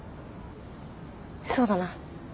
そうだな。